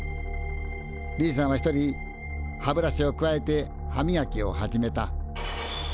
Ｂさんは一人歯ブラシをくわえて歯みがきを始めた。